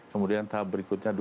kemudian tahap berikutnya dua puluh